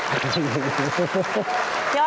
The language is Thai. เอาแล้ว